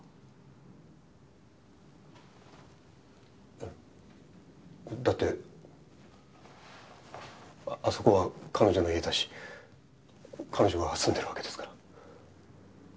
えっ？だってあそこは彼女の家だし彼女が住んでるわけですから。